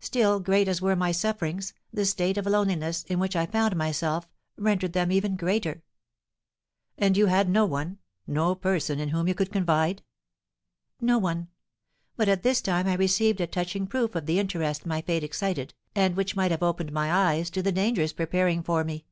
"Still, great as were my sufferings, the state of loneliness, in which I found myself, rendered them even greater." "And you had no one, no person in whom you could confide?" "No one; but at this time I received a touching proof of the interest my fate excited, and which might have opened my eyes to the dangers preparing for me.